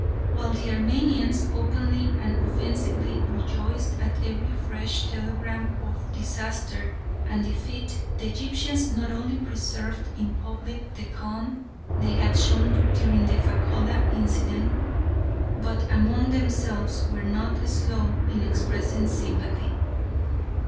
While the Armenians openly and offensively rejoiced at every fresh telegram of disaster and defeat, the Egyptians not only preserved in public the calm they had shown during the Fachoda incident, but among themselves were not slow in expressing sympathy.